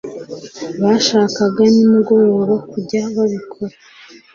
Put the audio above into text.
Bashakaga nimugoroba kujya babikora